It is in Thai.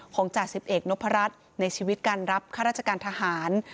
จ่าสิบเอกนพรัชในชีวิตการรับข้าราชการทหาร